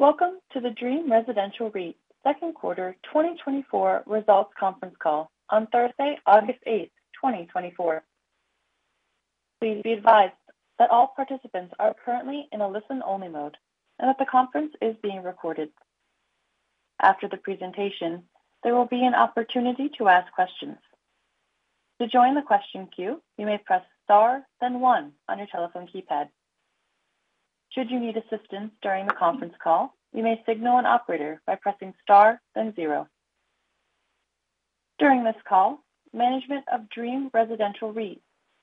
Welcome to the Dream Residential REIT Second Quarter 2024 Results Conference Call on Thursday, August 8, 2024. Please be advised that all participants are currently in a listen-only mode and that the conference is being recorded. After the presentation, there will be an opportunity to ask questions. To join the question queue, you may press star, then 1 on your telephone keypad. Should you need assistance during the conference call, you may signal an operator by pressing star, then 0. During this call, management of Dream Residential REIT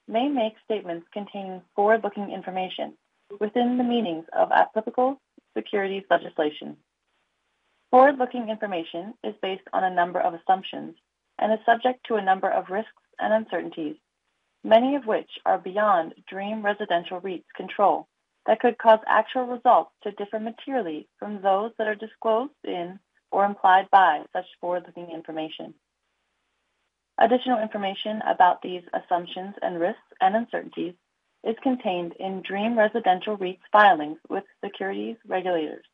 may make statements containing forward-looking information within the meanings of applicable securities legislation. Forward-looking information is based on a number of assumptions and is subject to a number of risks and uncertainties, many of which are beyond Dream Residential REIT's control, that could cause actual results to differ materially from those that are disclosed in or implied by such forward-looking information. Additional information about these assumptions and risks and uncertainties is contained in Dream Residential REIT's filings with securities regulators,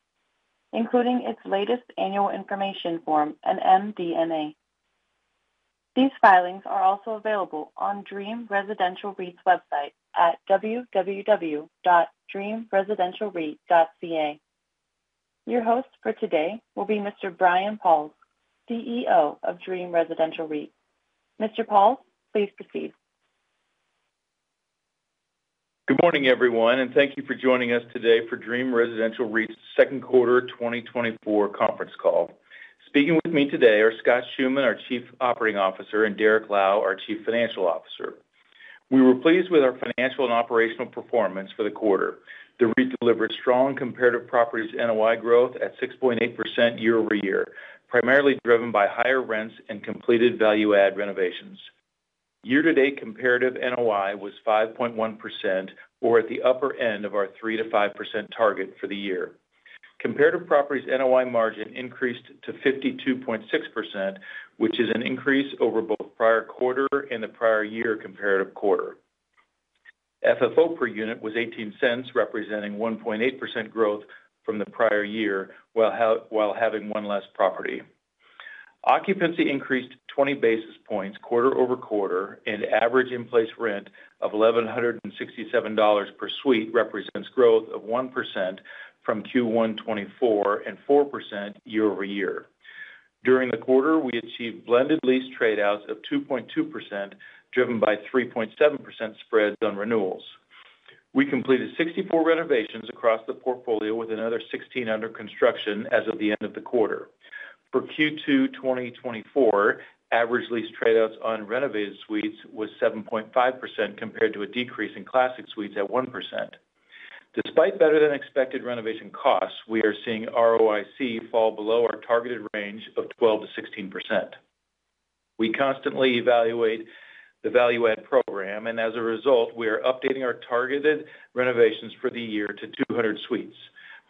including its latest annual information form and MD&A. These filings are also available on Dream Residential REIT's website at www.dreamresidentialreit.ca. Your host for today will be Mr. Brian Pauls, CEO of Dream Residential REIT. Mr. Pauls, please proceed. Good morning, everyone, and thank you for joining us today for Dream Residential REIT's second quarter 2024 conference call. Speaking with me today are Scott Schumann, our Chief Operating Officer, and Derrick Lau, our Chief Financial Officer. We were pleased with our financial and operational performance for the quarter. The REIT delivered strong comparative properties NOI growth at 6.8% year-over-year, primarily driven by higher rents and completed value-add renovations. Year-to-date, comparative NOI was 5.1% or at the upper end of our 3%-5% target for the year. Comparative properties NOI margin increased to 52.6%, which is an increase over both prior quarter and the prior year comparative quarter. FFO per unit was $0.18, representing 1.8% growth from the prior year, while having one less property. Occupancy increased 20 basis points quarter-over-quarter, and average in-place rent of $1,167 per suite represents growth of 1% from Q1 2024 and 4% year-over-year. During the quarter, we achieved blended lease trade outs of 2.2%, driven by 3.7% spreads on renewals. We completed 64 renovations across the portfolio, with another 16 under construction as of the end of the quarter. For Q2 2024, average lease trade outs on renovated suites was 7.5%, compared to a decrease in classic suites at 1%. Despite better-than-expected renovation costs, we are seeing ROIC fall below our targeted range of 12%-16%. We constantly evaluate the value add program, and as a result, we are updating our targeted renovations for the year to 200 suites.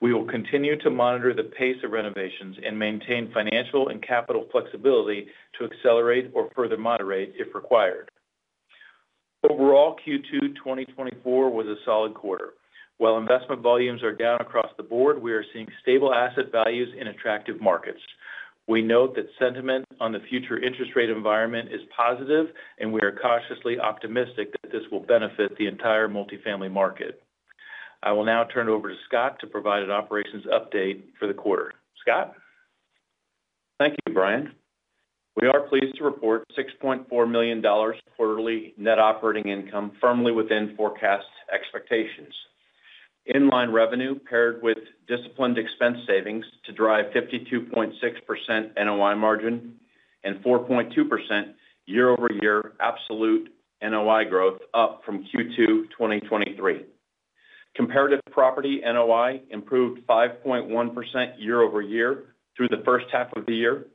We will continue to monitor the pace of renovations and maintain financial and capital flexibility to accelerate or further moderate, if required. Overall, Q2 2024 was a solid quarter. While investment volumes are down across the board, we are seeing stable asset values in attractive markets. We note that sentiment on the future interest rate environment is positive, and we are cautiously optimistic that this will benefit the entire multifamily market. I will now turn it over to Scott to provide an operations update for the quarter. Scott? Thank you, Brian. We are pleased to report $6.4 million quarterly net operating income, firmly within forecast expectations. In-line revenue paired with disciplined expense savings to drive 52.6% NOI margin and 4.2% year-over-year absolute NOI growth, up from Q2 2023. Comparative property NOI improved 5.1% year-over-year through the first half of the year,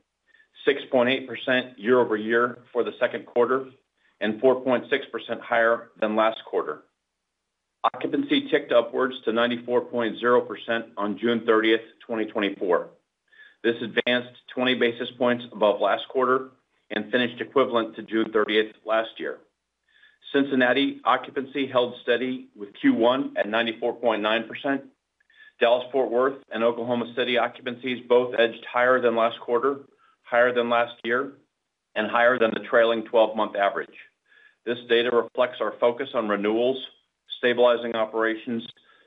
6.8% year-over-year for the second quarter, and 4.6% higher than last quarter. Occupancy ticked upwards to 94.0% on June 30, 2024. This advanced 20 basis points above last quarter and finished equivalent to June 30, 2023. Cincinnati occupancy held steady with Q1 at 94.9%. Dallas-Fort Worth and Oklahoma City occupancies both edged higher than last quarter, higher than last year, and higher than the trailing twelve-month average. This data reflects our focus on renewals, stabilizing operations,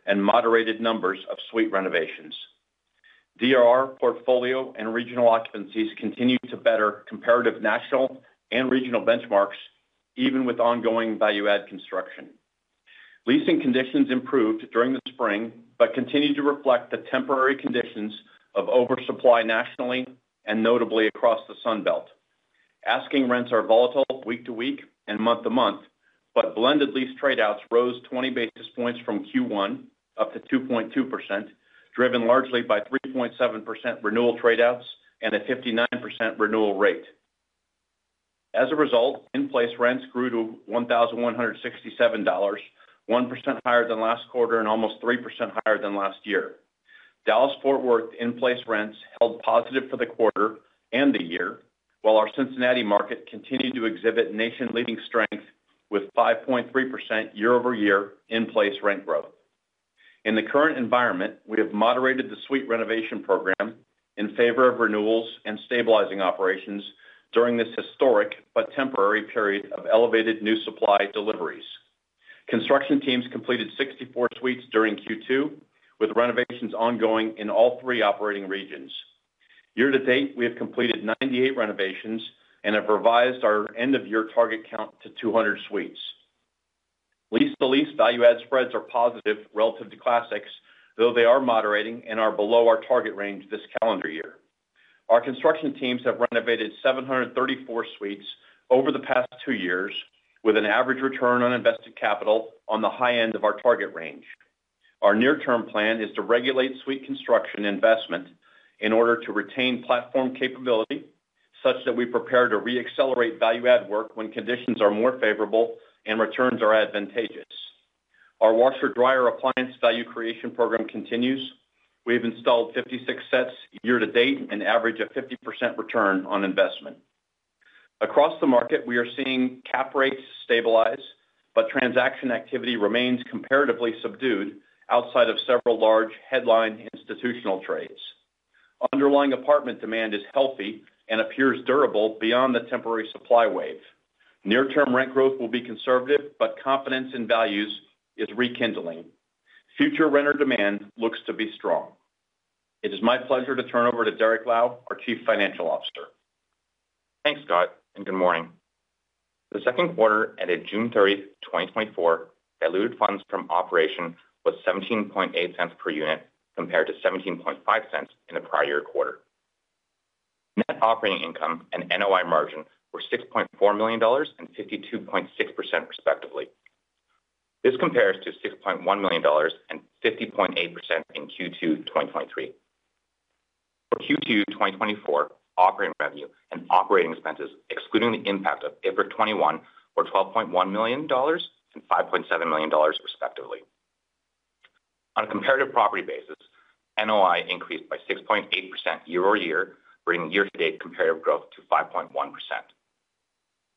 and moderated numbers of suite renovations. DRR portfolio and regional occupancies continue to better comparative national and regional benchmarks, even with ongoing value add construction. Leasing conditions improved during the spring, but continued to reflect the temporary conditions of oversupply nationally and notably across the Sun Belt. Asking rents are volatile week to week and month to month, but blended lease trade outs rose 20 basis points from Q1, up to 2.2%, driven largely by 3.7% renewal trade outs and a 59% renewal rate. As a result, in-place rents grew to $1,167, 1% higher than last quarter and almost 3% higher than last year. Dallas-Fort Worth in-place rents held positive for the quarter and the year, while our Cincinnati market continued to exhibit nation-leading strength with 5.3% year-over-year in-place rent growth. In the current environment, we have moderated the suite renovation program in favor of renewals and stabilizing operations during this historic but temporary period of elevated new supply deliveries. Construction teams completed 64 suites during Q2, with renovations ongoing in all three operating regions. Year to date, we have completed 98 renovations and have revised our end-of-year target count to 200 suites. Lease-to-lease value-add spreads are positive relative to classics, though they are moderating and are below our target range this calendar year. Our construction teams have renovated 734 suites over the past two years, with an average return on invested capital on the high end of our target range. Our near-term plan is to regulate suite construction investment in order to retain platform capability, such that we prepare to reaccelerate value add work when conditions are more favorable and returns are advantageous. Our washer dryer appliance value creation program continues. We have installed 56 sets year to date, an average of 50% return on investment. Across the market, we are seeing cap rates stabilize, but transaction activity remains comparatively subdued outside of several large headline institutional trades. Underlying apartment demand is healthy and appears durable beyond the temporary supply wave. Near-term rent growth will be conservative, but confidence in values is rekindling. Future renter demand looks to be strong. It is my pleasure to turn over to Derrick Lau, our Chief Financial Officer. Thanks, Scott, and good morning. The second quarter ended June 30, 2024, diluted funds from operations was 17.8 cents per unit, compared to 17.5 cents in the prior quarter. Net operating income and NOI margin were $6.4 million and 52.6%, respectively. This compares to $6.1 million and 50.8% in Q2 2023. For Q2 2024, operating revenue and operating expenses, excluding the impact of IFRIC 21, were $12.1 million and $5.7 million, respectively. On a comparative property basis, NOI increased by 6.8% year-over-year, bringing year-to-date comparative growth to 5.1%.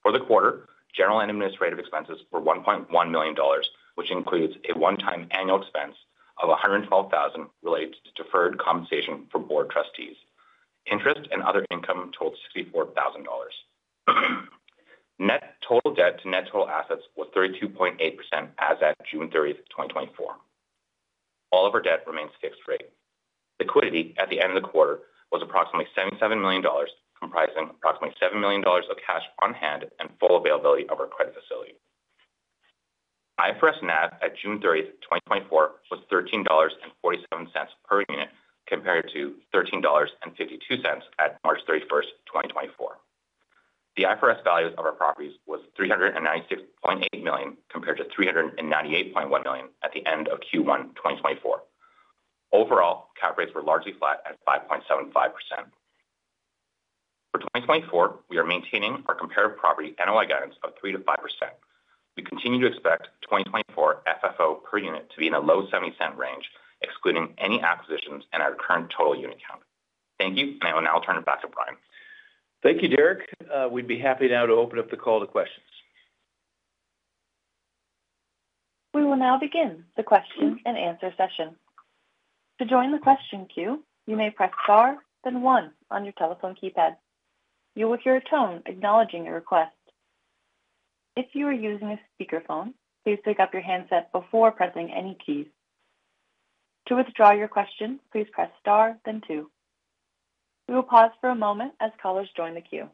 For the quarter, general and administrative expenses were $1.1 million, which includes a one-time annual expense of $112,000 related to deferred compensation for board trustees. Interest and other income totaled $64,000. Net total debt to net total assets was 32.8% as at June 30, 2024. All of our debt remains fixed rate. Liquidity at the end of the quarter was approximately $77 million, comprising approximately $7 million of cash on hand and full availability of our credit facility. IFRS NAV at June 30, 2024, was $13.47 per unit, compared to $13.52 at March 31, 2024. The IFRS value of our properties was $396.8 million, compared to $398.1 million at the end of Q1 2024. Overall, cap rates were largely flat at 5.75%. For 2024, we are maintaining our comparative property NOI guidance of 3%-5%. We continue to expect 2024 FFO per unit to be in a low $0.70 range, excluding any acquisitions and our current total unit count. Thank you. I will now turn it back to Brian. Thank you, Derrick. We'd be happy now to open up the call to questions. We will now begin the question and answer session. To join the question queue, you may press star, then one on your telephone keypad. You will hear a tone acknowledging your request. If you are using a speakerphone, please pick up your handset before pressing any keys. To withdraw your question, please press star, then two. We will pause for a moment as callers join the queue.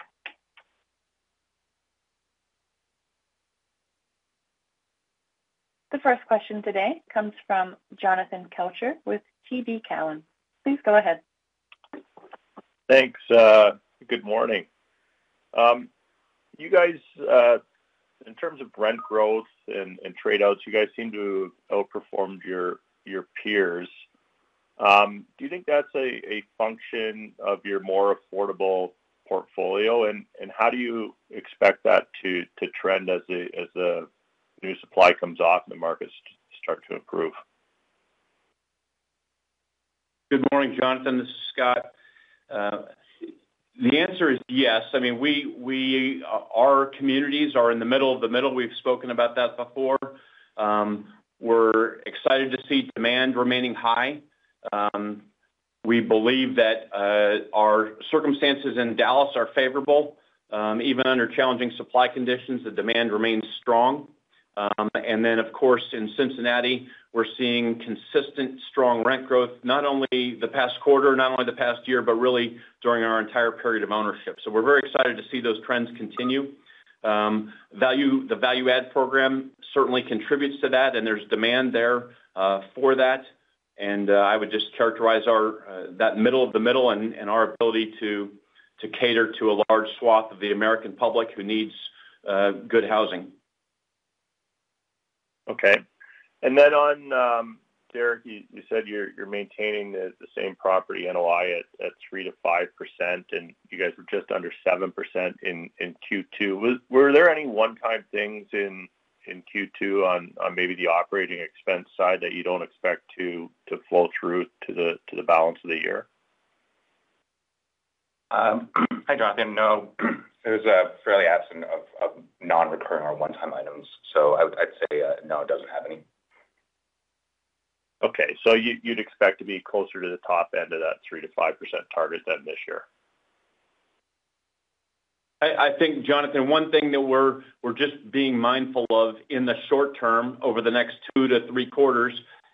The first question today comes from Jonathan Kelcher with TD Cowen. Please go ahead. Thanks, good morning. You guys, in terms of rent growth and trade outs, you guys seem to have outperformed your peers. Do you think that's a function of your more affordable portfolio, and how do you expect that to trend as the new supply comes off and the markets start to improve? Good morning, Jonathan. This is Scott. The answer is yes. I mean, our communities are in the middle of the middle. We've spoken about that before. We're excited to see demand remaining high. We believe that our circumstances in Dallas are favorable. Even under challenging supply conditions, the demand remains strong. And then, of course, in Cincinnati, we're seeing consistent, strong rent growth, not only the past quarter, not only the past year, but really during our entire period of ownership. So we're very excited to see those trends continue. Value-add program certainly contributes to that, and there's demand there for that. And I would just characterize our that middle of the middle and our ability to cater to a large swath of the American public who needs good housing. Okay. And then on, Derrick, you said you're maintaining the same property NOI at 3%-5%, and you guys were just under 7% in Q2. Were there any one-time things in Q2 on maybe the operating expense side that you don't expect to flow through to the balance of the year?... Hi, Jonathan. No, it was fairly absent of nonrecurring or one-time items. So I'd say no, it doesn't have any. Okay. So you, you'd expect to be closer to the top end of that 3%-5% target than this year? I think, Jonathan, one thing that we're just being mindful of in the short term, over the next 2-3 quarters,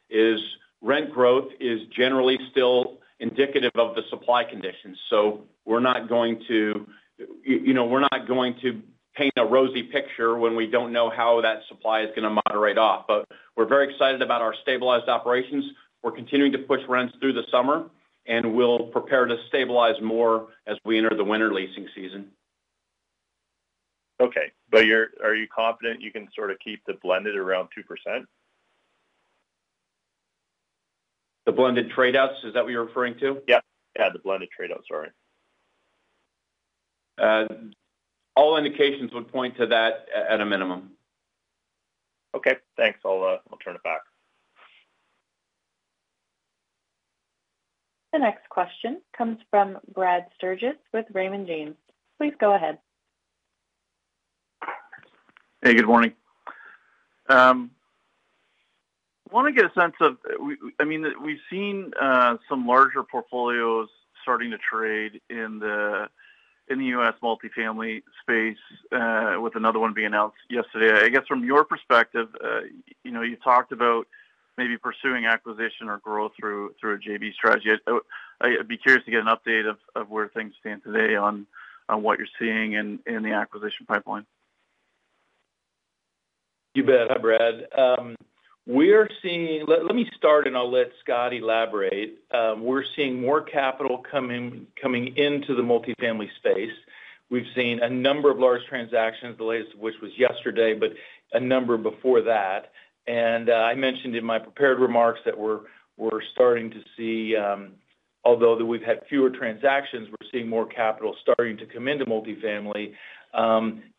is rent growth is generally still indicative of the supply conditions. So we're not going to, you know, we're not going to paint a rosy picture when we don't know how that supply is going to moderate off. But we're very excited about our stabilized operations. We're continuing to push rents through the summer, and we'll prepare to stabilize more as we enter the winter leasing season. Okay. But are you confident you can sort of keep the blended around 2%? The blended trade outs, is that what you're referring to? Yeah. Yeah, the blended trade outs. Sorry. All indications would point to that at a minimum. Okay, thanks. I'll, I'll turn it back. The next question comes from Brad Sturges with Raymond James. Please go ahead. Hey, good morning. Want to get a sense of... I mean, we've seen some larger portfolios starting to trade in the U.S. multifamily space, with another one being announced yesterday. I guess, from your perspective, you know, you talked about maybe pursuing acquisition or growth through a JV strategy. I'd be curious to get an update of where things stand today on what you're seeing in the acquisition pipeline. You bet. Hi, Brad. We're seeing— Let me start, and I'll let Scott elaborate. We're seeing more capital coming into the multifamily space. We've seen a number of large transactions, the latest of which was yesterday, but a number before that. And I mentioned in my prepared remarks that we're starting to see, although that we've had fewer transactions, we're seeing more capital starting to come into multifamily.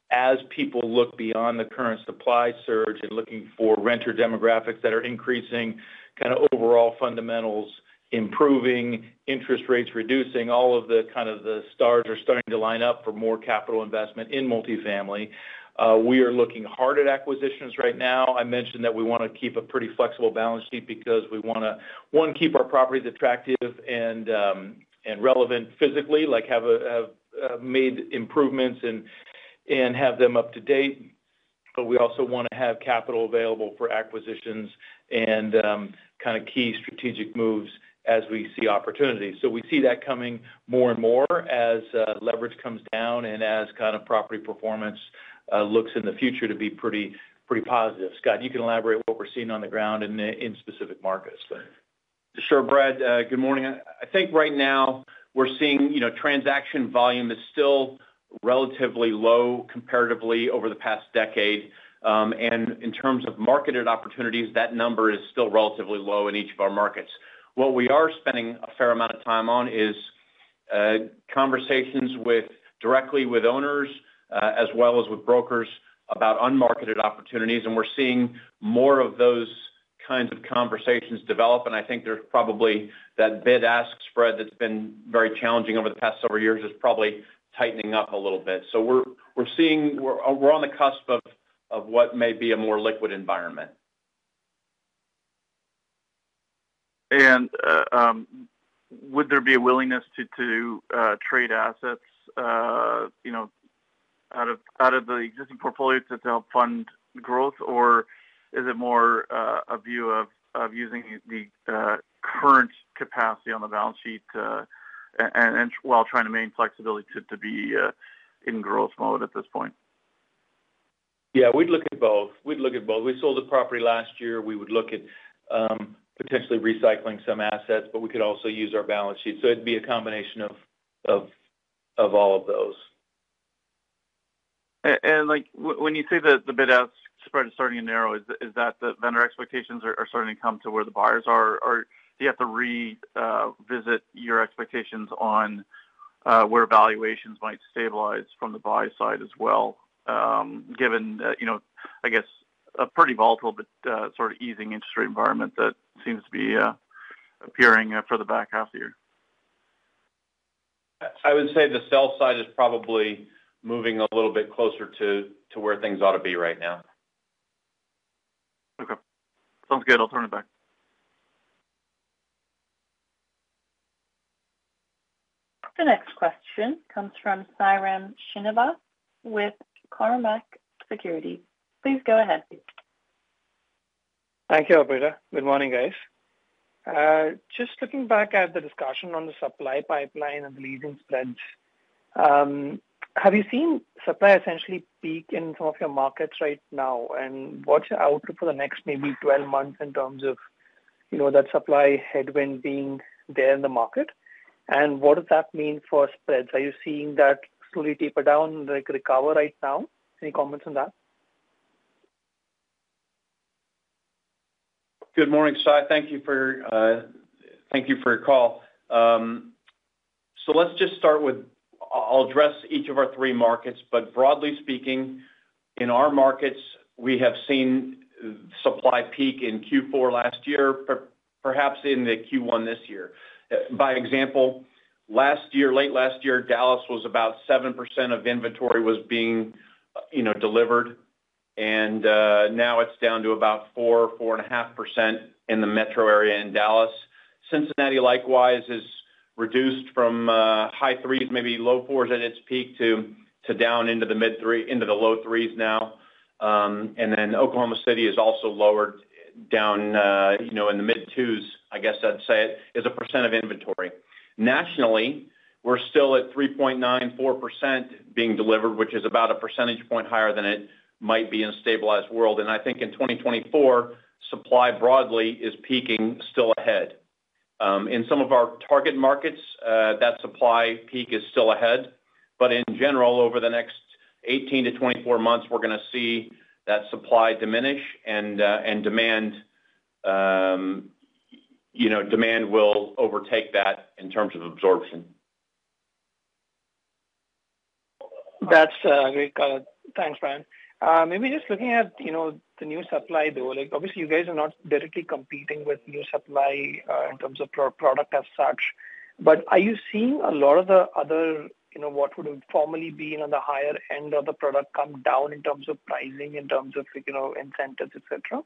As people look beyond the current supply surge and looking for renter demographics that are increasing, kind of overall fundamentals, improving interest rates, reducing all of the kind of the stars are starting to line up for more capital investment in multifamily. We are looking hard at acquisitions right now. I mentioned that we want to keep a pretty flexible balance sheet because we want to, one, keep our properties attractive and relevant physically, like, have made improvements and have them up to date. But we also want to have capital available for acquisitions and kind of key strategic moves as we see opportunities. So we see that coming more and more as leverage comes down and as kind of property performance looks in the future to be pretty, pretty positive. Scott, you can elaborate what we're seeing on the ground in specific markets. Sure, Brad. Good morning. I think right now we're seeing, you know, transaction volume is still relatively low comparatively over the past decade. And in terms of marketed opportunities, that number is still relatively low in each of our markets. What we are spending a fair amount of time on is conversations directly with owners, as well as with brokers about unmarketed opportunities, and we're seeing more of those kinds of conversations develop. I think there's probably that bid-ask spread that's been very challenging over the past several years is probably tightening up a little bit. So we're seeing - we're on the cusp of what may be a more liquid environment. Would there be a willingness to trade assets, you know, out of the existing portfolio to help fund growth? Or is it more a view of using the current capacity on the balance sheet, and while trying to maintain flexibility to be in growth mode at this point? Yeah, we'd look at both. We'd look at both. We sold a property last year. We would look at potentially recycling some assets, but we could also use our balance sheet, so it'd be a combination of all of those. Like, when you say that the bid-ask spread is starting to narrow, is that the vendor expectations are starting to come to where the buyers are? Or do you have to revisit your expectations on where valuations might stabilize from the buy side as well? Given that, you know, I guess a pretty volatile but sort of easing interest rate environment that seems to be appearing for the back half of the year. I would say the sell side is probably moving a little bit closer to where things ought to be right now. Okay. Sounds good. I'll turn it back. The next question comes from Sairam Srinivas with Cormark Securities. Please go ahead. Thank you, operator. Good morning, guys. Just looking back at the discussion on the supply pipeline and the leasing spreads, have you seen supply essentially peak in some of your markets right now? And what's your outlook for the next maybe 12 months in terms of, you know, that supply headwind being there in the market? And what does that mean for spreads? Are you seeing that slowly taper down, like, recover right now? Any comments on that? Good morning, Sai. Thank you for, thank you for your call. So let's just start with. I'll address each of our three markets. But broadly speaking, in our markets, we have seen supply peak in Q4 last year, perhaps in the Q1 this year. By example, last year, late last year, Dallas was about 7% of inventory was being, you know, delivered, and now it's down to about 4%-4.5% in the metro area in Dallas. Cincinnati, likewise, is reduced from high 3s, maybe low 4s at its peak, to down into the mid-3s, into the low 3s now. And then Oklahoma City is also lowered down, you know, in the mid-2s, I guess I'd say, as a percent of inventory. Nationally, we're still at 3.94% being delivered, which is about a percentage point higher than it might be in a stabilized world. And I think in 2024, supply broadly is peaking still ahead. In some of our target markets, that supply peak is still ahead, but in general, over the next 18-24 months, we're going to see that supply diminish and, and demand, you know, demand will overtake that in terms of absorption. That's great. Thanks, Brian. Maybe just looking at, you know, the new supply, though. Like, obviously, you guys are not directly competing with new supply in terms of product as such, but are you seeing a lot of the other, you know, what would have formerly been on the higher end of the product come down in terms of pricing, in terms of, you know, incentives, et cetera?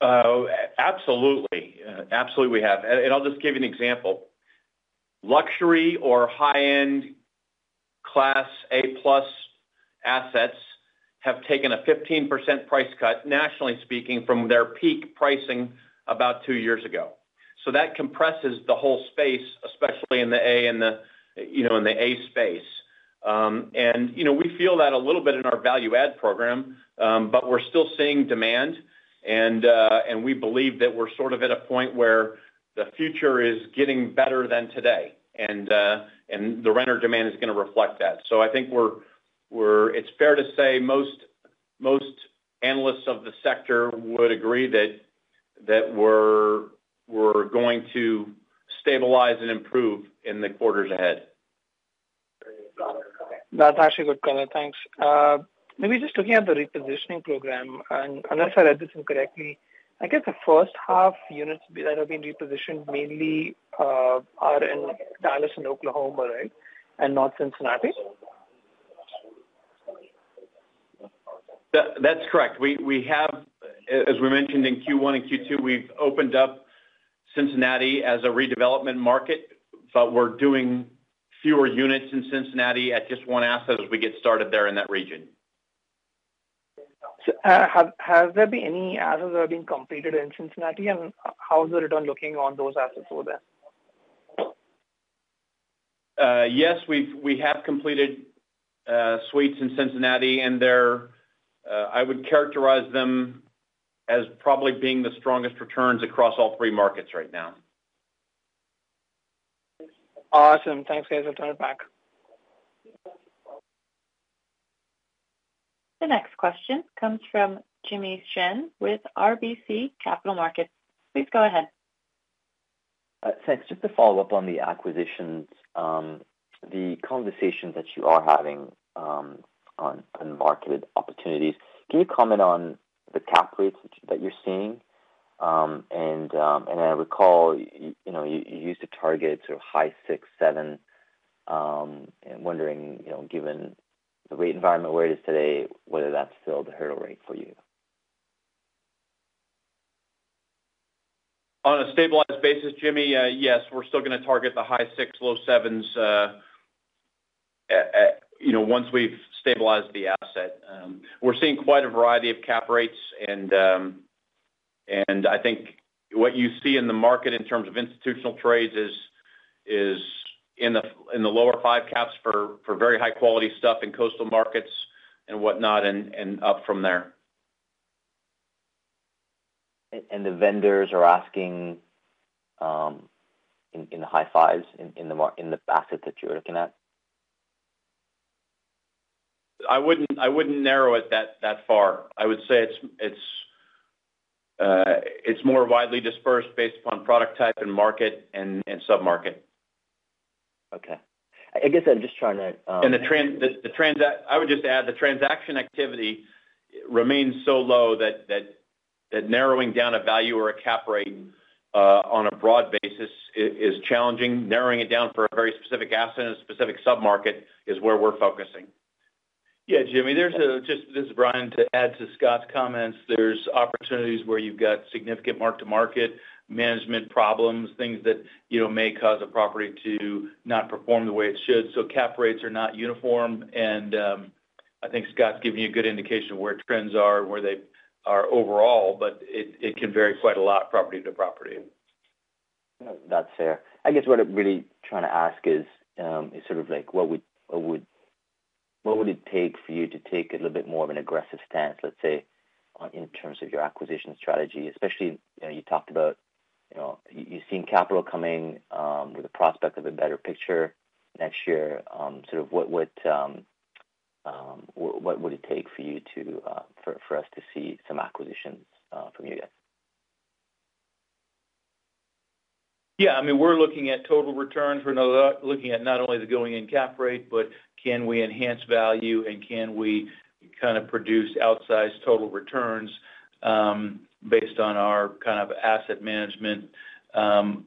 Absolutely. Absolutely, we have. And I'll just give you an example. Luxury or high-end class A-plus assets have taken a 15% price cut, nationally speaking, from their peak pricing about two years ago. So that compresses the whole space, especially in the A and the, you know, in the A space. And, you know, we feel that a little bit in our value add program, but we're still seeing demand, and we believe that we're sort of at a point where the future is getting better than today, and the renter demand is going to reflect that. So I think we're, it's fair to say most analysts of the sector would agree that we're going to stabilize and improve in the quarters ahead. That's actually good, color. Thanks. Maybe just looking at the repositioning program, and unless I read this incorrectly, I guess the first half units that have been repositioned mainly are in Dallas and Oklahoma, right, and not Cincinnati? That's correct. We have, as we mentioned in Q1 and Q2, we've opened up Cincinnati as a redevelopment market, but we're doing fewer units in Cincinnati at just one asset as we get started there in that region. Have there been any assets that have been completed in Cincinnati, and how is the return looking on those assets over there? Yes, we have completed suites in Cincinnati, and they're, I would characterize them as probably being the strongest returns across all three markets right now. Awesome. Thanks, guys. I'll turn it back. The next question comes from Jimmy Shan with RBC Capital Markets. Please go ahead. Thanks. Just to follow up on the acquisitions, the conversations that you are having on unmarketed opportunities, can you comment on the cap rates that you're seeing? And I recall, you know, you used to target sort of high 6, 7. I'm wondering, you know, given the rate environment where it is today, whether that's still the hurdle rate for you. On a stabilized basis, Jimmy, yes, we're still going to target the high 6, low 7s, you know, once we've stabilized the asset. We're seeing quite a variety of cap rates, and I think what you see in the market in terms of institutional trades is in the lower 5 caps for very high-quality stuff in coastal markets and whatnot, and up from there. And the vendors are asking in the high fives in the markets in the assets that you're looking at? I wouldn't narrow it that far. I would say it's more widely dispersed based upon product type and market and submarket. Okay. I guess I'm just trying to, And the transaction activity remains so low that narrowing down a value or a cap rate on a broad basis is challenging. Narrowing it down for a very specific asset in a specific submarket is where we're focusing. Yeah, Jimmy, there's... This is Brian, to add to Scott's comments, there's opportunities where you've got significant mark-to-market management problems, things that, you know, may cause a property to not perform the way it should. So cap rates are not uniform, and, I think Scott's giving you a good indication of where trends are and where they are overall, but it can vary quite a lot, property to property. That's fair. I guess what I'm really trying to ask is, is sort of like, what would it take for you to take a little bit more of an aggressive stance, let's say, in terms of your acquisition strategy? Especially, you know, you talked about, you know, you're seeing capital coming, with the prospect of a better picture next year. Sort of what would it take for you to, for us to see some acquisitions, from you guys?... Yeah, I mean, we're looking at total returns. We're not looking at not only the going-in cap rate, but can we enhance value, and can we kind of produce outsized total returns, based on our kind of asset management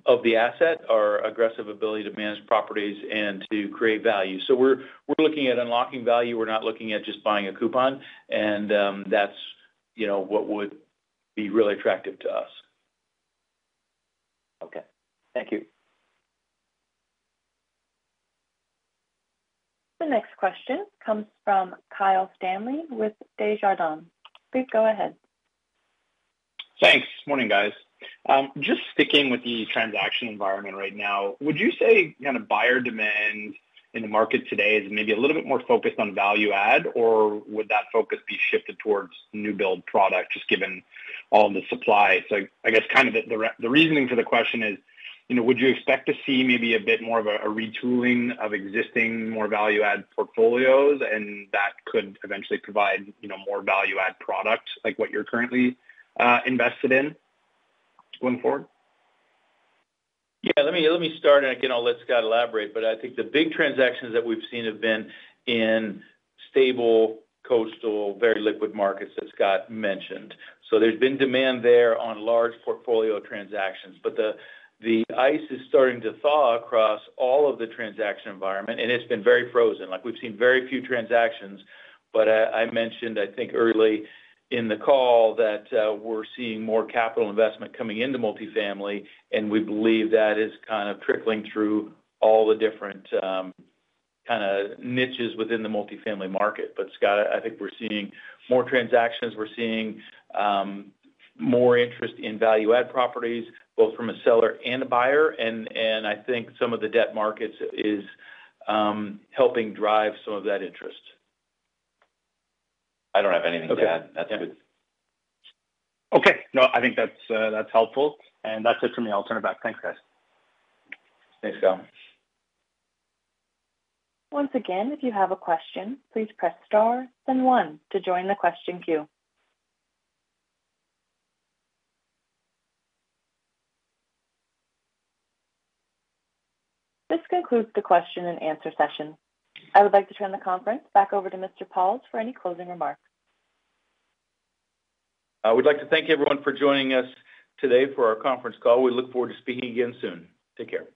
of the asset, our aggressive ability to manage properties and to create value? So we're looking at unlocking value. We're not looking at just buying a coupon, and that's, you know, what would be really attractive to us. Okay. Thank you. The next question comes from Kyle Stanley with Desjardins. Please go ahead. Thanks. Morning, guys. Just sticking with the transaction environment right now, would you say kind of buyer demand in the market today is maybe a little bit more focused on value add, or would that focus be shifted towards new build product, just given all the supply? So I guess kind of the reasoning for the question is, you know, would you expect to see maybe a bit more of a, a retooling of existing, more value add portfolios, and that could eventually provide, you know, more value add product, like what you're currently invested in going forward? Yeah, let me, let me start, and again, I'll let Scott elaborate. But I think the big transactions that we've seen have been in stable, coastal, very liquid markets, as Scott mentioned. So there's been demand there on large portfolio transactions. But the ice is starting to thaw across all of the transaction environment, and it's been very frozen. Like, we've seen very few transactions, but I mentioned, I think, early in the call that we're seeing more capital investment coming into multifamily, and we believe that is kind of trickling through all the different kind of niches within the multifamily market. But, Scott, I think we're seeing more transactions. We're seeing more interest in value add properties, both from a seller and a buyer, and I think some of the debt markets is helping drive some of that interest. I don't have anything to add. Okay. That's it. Okay. No, I think that's, that's helpful. And that's it for me. I'll turn it back. Thanks, guys. Thanks, Kyle. Once again, if you have a question, please press star, then one to join the question queue. This concludes the question-and-answer session. I would like to turn the conference back over to Mr. Pauls for any closing remarks. I would like to thank everyone for joining us today for our conference call. We look forward to speaking again soon. Take care.